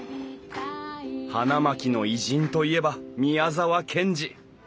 花巻の偉人といえば宮沢賢治。